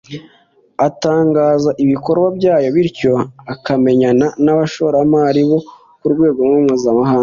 agatangaza ibikorwa byayo bityo akamenyana n’abashoramari bo ku rwego mpuzamahanga